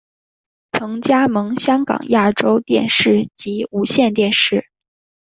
曾加盟香港亚洲电视及无线电视。